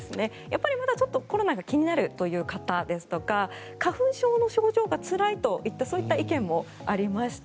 まだちょっとコロナが気になる方ですとか花粉症の症状がつらいといったそういった意見もありました。